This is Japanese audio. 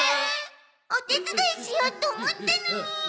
お手伝いしようと思ったのに。